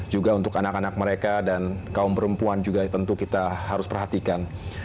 juga untuk anak anak mereka dan kaum perempuan juga tentu kita harus perhatikan